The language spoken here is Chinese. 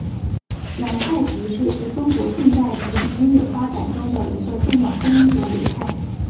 南派笛子是中国近代竹笛音乐发展中的一个重要风格流派。